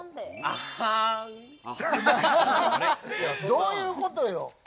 どういうこと？